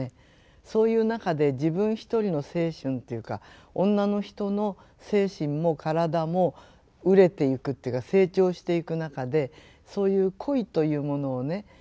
そういう中で自分一人の青春っていうか女の人の精神も体も熟れていくっていうか成長していく中でそういう恋というものをね